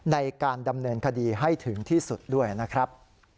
ในการดำเนินคดีให้ถึงที่สุดด้วยนะครับ